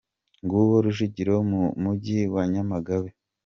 Nguwo Rujugiro mu mujyi wa Nyamagabe.